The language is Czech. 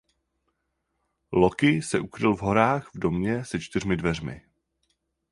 Loki se ukryl v horách v domě se čtyřmi dveřmi.